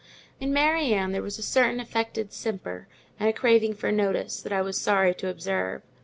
In Mary Ann there was a certain affected simper, and a craving for notice, that I was sorry to observe.